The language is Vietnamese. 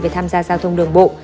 về tham gia giao thông đường bộ